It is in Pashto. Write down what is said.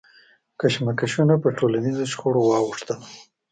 کشمکشونه پر ټولنیزو شخړو واوښتل.